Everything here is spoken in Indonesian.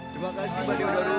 terima kasih mbah dewa daru